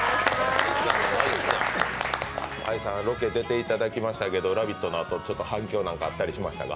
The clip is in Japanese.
アイさん、ロケに出ていただきましたけど「ラヴィット！」のあと反応はありましたか？